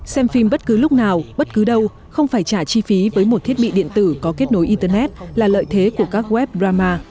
xem phim bất cứ lúc nào bất cứ đâu không phải trả chi phí với một thiết bị điện tử có kết nối internet là lợi thế của các web drama